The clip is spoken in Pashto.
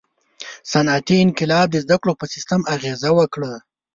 • صنعتي انقلاب د زدهکړو په سیستم اغېزه وکړه.